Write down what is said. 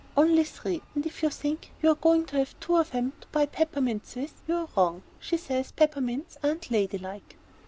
"Only three; and if you think you're going to have two of 'em to buy peppermints with, you're wrong. She says peppermints aren't ladylike."